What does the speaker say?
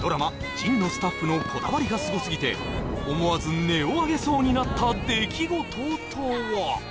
「ＪＩＮ−仁−」のスタッフのこだわりがすごすぎて思わず音を上げそうになった出来事とは？